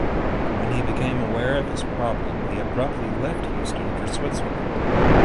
When he became aware of this problem he abruptly left Houston for Switzerland.